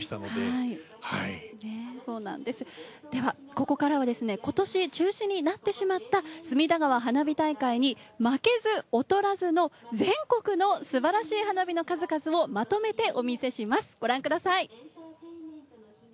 では、ここからは今年中止になってしまった隅田川花火大会に負けず劣らずの全国のすばらしい花火の数々をまとめてお見せします、ご覧ください。